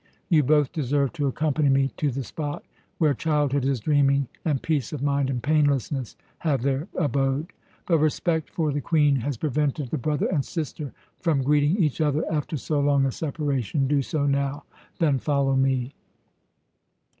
You both deserve to accompany me to the spot where childhood is dreaming and peace of mind and painlessness have their abode. But respect for the Queen has prevented the brother and sister from greeting each other after so long a separation. Do so now! Then, follow me."